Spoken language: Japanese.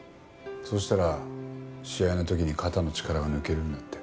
そうしたら試合の時に肩の力が抜けるんだって。